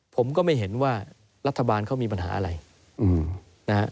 ผมก็ไม่เห็นว่ารัฐบาลเขามีปัญหาอะไรนะฮะ